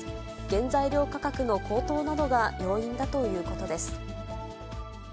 原材料価格の高騰などが要因だということです。